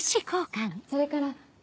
それから。